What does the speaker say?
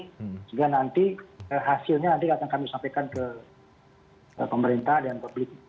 sehingga nanti hasilnya nanti akan kami sampaikan ke pemerintah dan publik